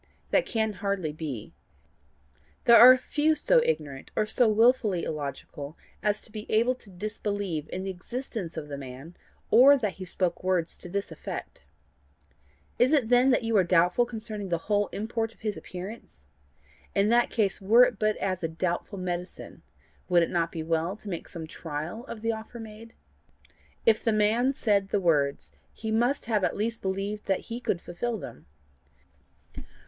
That can hardly be. There are few so ignorant, or so wilfully illogical as to be able to disbelieve in the existence of the man, or that he spoke words to this effect. Is it then that you are doubtful concerning the whole import of his appearance? In that case, were it but as a doubtful medicine, would it not be well to make some trial of the offer made? If the man said the words, he must have at least believed that he could fulfil them.